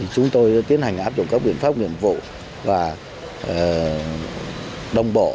chúng tôi tiến hành áp đồng các biện pháp nghiệm vụ và đồng bộ